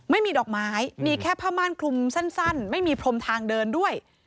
ไม่มีดอกไม้มีแค่ผ้าม่านคลุมสั้นไม่มีพรมทางเดินด้วย